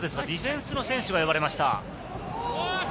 ディフェンスの選手が呼ばれました。